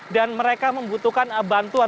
dan mereka membutuhkan bantuan